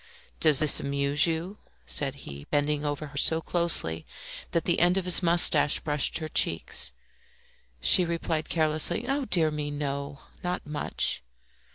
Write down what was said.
"Does this amuse you?" said he, bending over her so closely that the end of his moustache brushed her cheek. She replied carelessly "Oh, dear me, no, not much."